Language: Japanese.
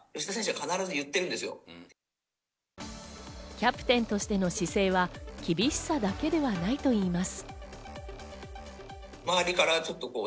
キャプテンとしての姿勢は厳しさだけではないといいます。